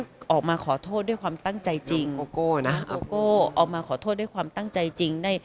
ก็ออกมาขอโทษด้วยความตั้งใจจริงออกมาขอโทษด้วยความตั้งใจจริง